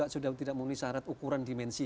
sudah tidak memenuhi syarat ukuran dimensi